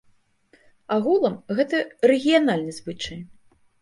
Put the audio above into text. Агулам, гэта рэгіянальны звычай.